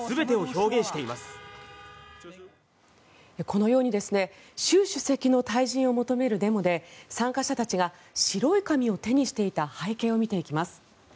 このように習主席の退陣を求めるデモで参加者たちが白い紙を手にしていた背景を見ていきます。